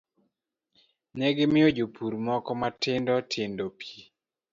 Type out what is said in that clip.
Ne gimiyo jopur moko matindo tindo pi,